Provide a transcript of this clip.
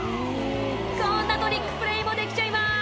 「こんなトリックプレーもできちゃいます」